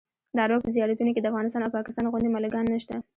د عربو په زیارتونو کې د افغانستان او پاکستان غوندې ملنګان نشته.